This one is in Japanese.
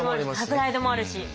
プライドもあるし。